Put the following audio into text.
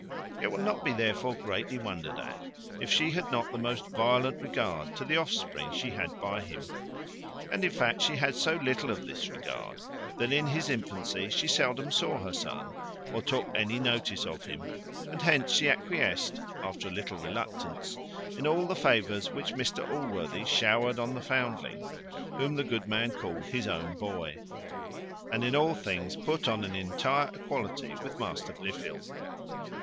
It will not be therefore greatly wondered at, if she had not the most violent regard to the offspring she had by him. And, in fact, she had so little of this regard, that in his infancy she seldom saw her son, or took any notice of him; and hence she acquiesced, after a little reluctance, in all the favours which Mr Allworthy showered on the foundling; whom the good man called his own boy, and in all things put on an entire equality with Master Blifil.